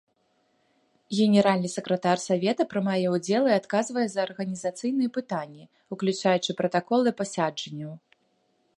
Генеральны сакратар савета прымае ўдзел і адказвае за арганізацыйныя пытанні, уключаючы пратаколы пасяджэнняў.